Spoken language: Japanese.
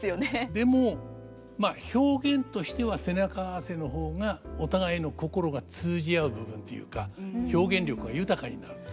でもまあ表現としては背中合わせの方がお互いの心が通じ合う部分ていうか表現力が豊かになるんですね。